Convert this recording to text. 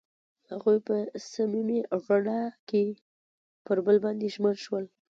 هغوی په صمیمي رڼا کې پر بل باندې ژمن شول.